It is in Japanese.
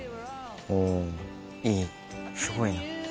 おぉいいすごいな。